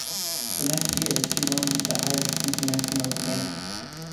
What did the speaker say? The next year she won the Irish International again.